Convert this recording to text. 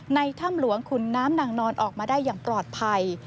ถ้ำหลวงขุนน้ำนางนอนออกมาได้อย่างปลอดภัย